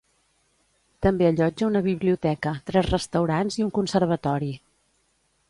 També allotja una biblioteca, tres restaurants i un conservatori.